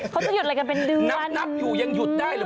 เขาจะหยุดอะไรกันเป็นเดือนนับนับอยู่ยังหยุดได้เหรอ